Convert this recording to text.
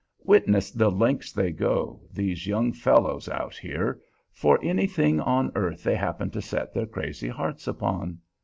Witness the lengths they go, these young fellows out here, for anything on earth they happen to set their crazy hearts upon.